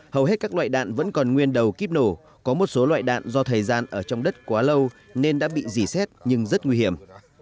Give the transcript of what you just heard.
hầu hết các loại đạn vẫn còn nguyên đầu kíp nổ có một số loại đạn do thời gian ở trong đất quá lâu nên đã bị dì xét nhưng rất nguy hiểm